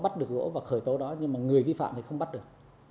bắt được gỗ và khởi tố đó nhưng mà người vi phạm thì không bắt được